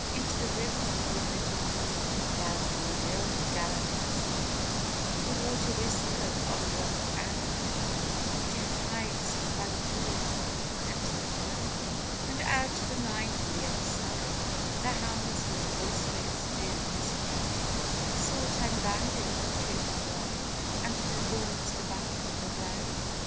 Into the river with little heed, Down from the hill he galloped his steed The water whispered on rock and reed, "Death hides by the ford at the turning!" And out of the night on the other side, Their helms and corselets dim descried, He saw ten bandit troopers ride, And the horns to battle were blaring.